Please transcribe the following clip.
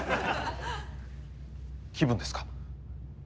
気分ですか？